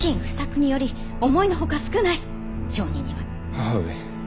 母上。